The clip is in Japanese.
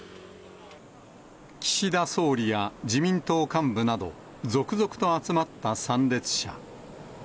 岸田総理や自民党幹部など、続々と集まった参列者。